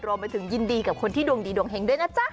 รวมไปถึงยินดีกับคนที่ดวงดีดวงเห็งด้วยนะจ๊ะ